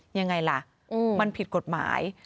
ยังไงล่ะมันผิดกฎหมาย